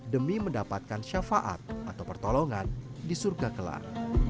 demi mendapatkan syafaat atau pertolongan di surga kelak